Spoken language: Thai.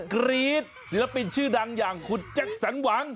กรี๊ดศิลปินชื่อดังอย่างคุณแจ็คสันหวัง